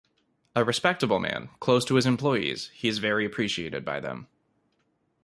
A respectable man, close to his employees, he is very appreciated by them.